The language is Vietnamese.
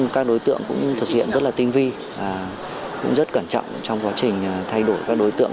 các đối tượng cũng thực hiện rất là tinh vi và cũng rất cẩn trọng trong quá trình thay đổi các đối tượng